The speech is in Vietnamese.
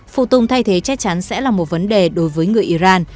phụ tùng thay thế chắc chắn sẽ là một vấn đề đối với người iran